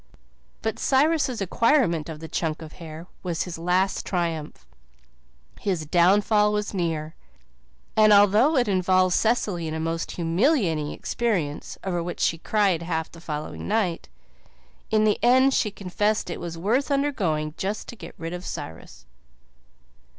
But Cyrus' acquirement of the chunk of hair was his last triumph. His downfall was near; and, although it involved Cecily in a most humiliating experience, over which she cried half the following night, in the end she confessed it was worth undergoing just to get rid of Cyrus.